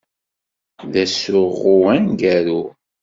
D asuɣu aneggaru.